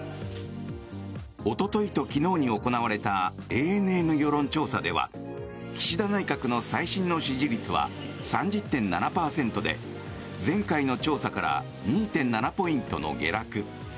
おとといと昨日に行われたＡＮＮ世論調査では岸田内閣の最新の支持率は３０．７％で前回の調査から２．７ポイントの下落。